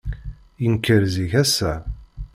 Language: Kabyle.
Yenker zik, ass-a.